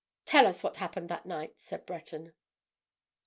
"Tell us what happened that night," said Breton.